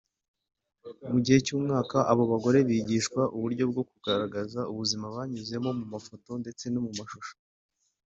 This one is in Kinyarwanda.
Mu gihe cy’umwaka abo bagore bigishwa uburyo bwo kugaragaza ubuzima banyuzemo mu mafoto ndetse no mu mashusho